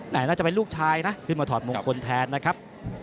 แต่น่าจะเป็นลูกชายนะขึ้นมาถอดมงคลแทนนะครับ